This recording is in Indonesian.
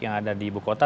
yang ada di ibu kota